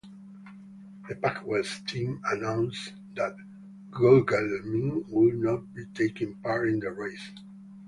The PacWest team announced that Gugelmin would not be taking part in the race.